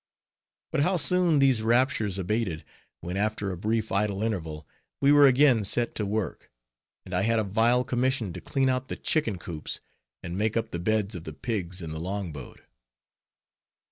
But how soon these raptures abated, when after a brief idle interval, we were again set to work, and I had a vile commission to clean out the chicken coops, and make up the beds of the pigs in the long boat.